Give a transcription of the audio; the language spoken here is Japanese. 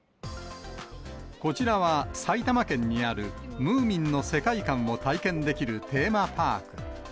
こちらは、埼玉県にある、ムーミンの世界感を体験できるテーマパーク。